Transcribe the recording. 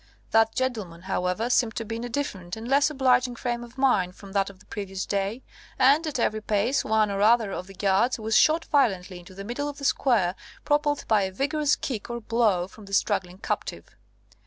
That gentleman, however, seemed to be in a different and less obliging frame of mind from that of the previous day; and at every pace one or other of the guards was shot violently into the middle of the square, propelled by a vigorous kick or blow from the struggling captive.